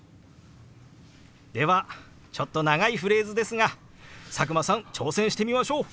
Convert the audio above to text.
ではちょっと長いフレーズですが佐久間さん挑戦してみましょう！